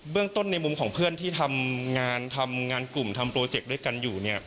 เรื่องต้นในมุมของเพื่อนที่ทำงานทำงานกลุ่มทำโปรเจคด้วยกันอยู่